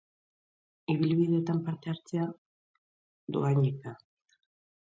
Ibilbideetan parte hartzea doakoa da.